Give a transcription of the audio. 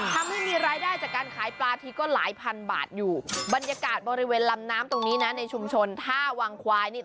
ทำให้มีรายได้จากการขายปลาทีก็หลายพันบาทอยู่บรรยากาศบริเวณลำน้ำตรงนี้นะในชุมชนท่าวังควายนี่